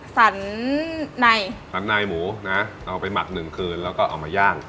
สันในสันในหมูนะเอาไปหมักหนึ่งคืนแล้วก็เอามาย่าง